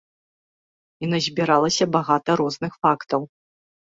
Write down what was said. І назбіралася багата розных фактаў.